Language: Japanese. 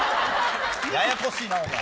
ややこしいな、お前。